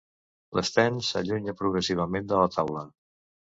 L'Sten s'allunya progressivament de la taula.